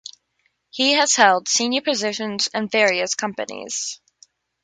He has held senior positions in various companies.